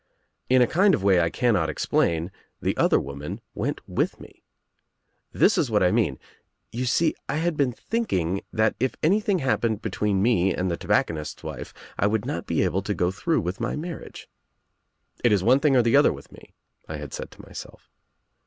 In a kind of way I cannot explain the other woman went with me. This is what I mean — you see I had been thinking that if anything happened between me and the tobacconist's wife I would not be able to go through with my marriage. 'It is one thing or the other with me,' 1 had said to myself.